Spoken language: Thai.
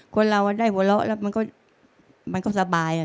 คนเราได้หัวเราะแล้วมันก็สบาย